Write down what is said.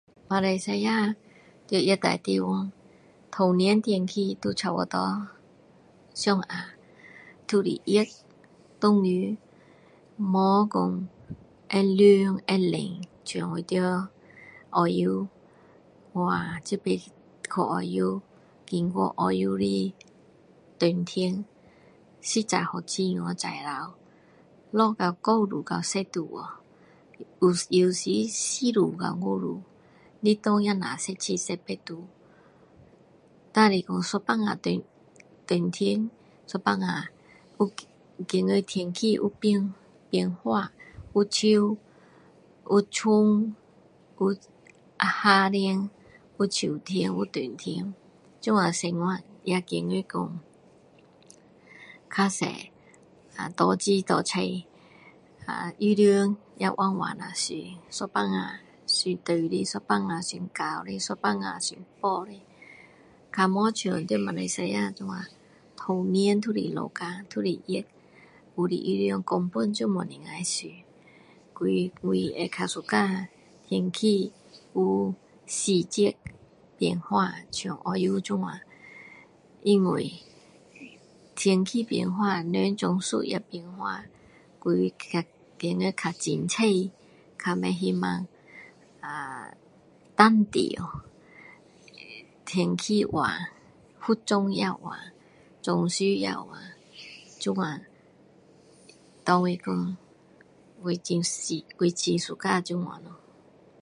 马来西亚在热带地方头年一天气都差不多上下都是热的下雨没有说会凉会冷像我在澳洲哇这次去澳洲经过下到9度和10度有的时候是4度到5度日中14度到15度这只是有时候冷天有时候觉得天气有变化有秋有春有夏天有秋天有冬天这样生活也觉得说比较多衣服很穿有时候穿短的有时候穿厚的有时候穿薄的比较不像在马来西亚这样整年都是流汗都是热有的衣服根本不能穿所以我会比较suka 天气有四季变化像澳洲这样因为天气变化